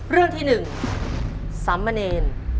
เรื่องที่๑สำเนร